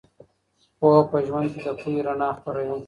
پوهه په ژوند کې د پوهې رڼا خپروي.